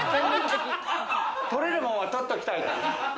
取れるもんは取っときたい。